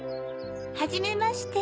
はじめまして。